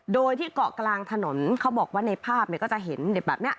โดยที่เกาะกลางถนนเขาบอกว่าในภาพก็จะเห็นแบบนี้